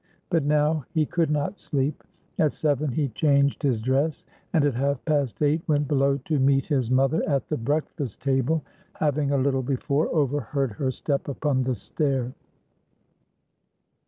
But now he could not sleep. At seven he changed his dress; and at half past eight went below to meet his mother at the breakfast table, having a little before overheard her step upon the stair.